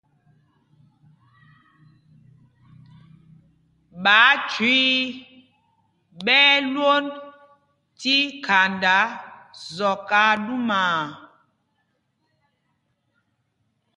Ɓááthüii ɓɛ́ ɛ́ lwond tí khanda zɔk aa ɗumaa.